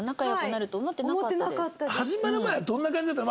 始まる前はどんな感じだったの？